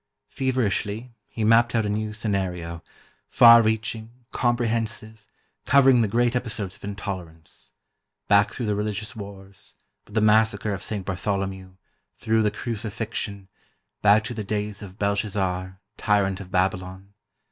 Feverishly, he mapped out a new scenario, far reaching, comprehensive, covering the great episodes of intolerance: back through the religious wars, with the Massacre of St. Bartholomew, through the Crucifixion, back to the days of Belshazzar, tyrant of Babylon.